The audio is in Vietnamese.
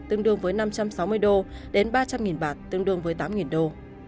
tương đương với năm trăm sáu mươi đô đến ba trăm linh bạt tương đương với tám đô